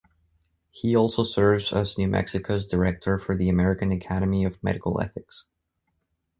He also serves as New Mexico’s director for the American Academy of Medical Ethics.